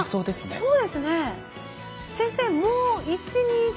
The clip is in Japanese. そうですね。